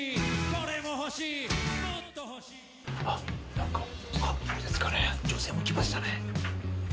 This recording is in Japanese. なんかカップルですかね、女性も来ましたね。